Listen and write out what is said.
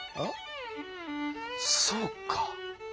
そうか。